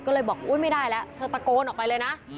ก็เลยบอกอุ๊ยไม่ได้แล้วเธอตะโกนออกไปเลยนะ